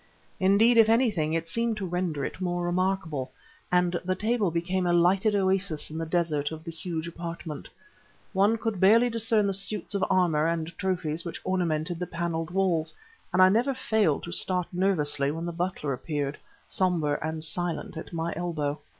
Indeed, if anything, it seemed to render it more remarkable, and the table became a lighted oasis in the desert of the huge apartment. One could barely discern the suits of armor and trophies which ornamented the paneled walls; and I never failed to start nervously when the butler appeared, somber and silent, at my elbow.